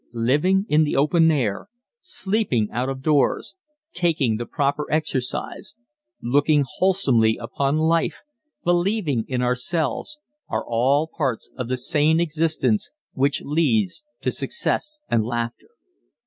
_Living in the open air, sleeping out of doors, taking the proper exercise, looking wholesomely upon life, believing in ourselves_, are all parts of the sane existence which leads to success and laughter.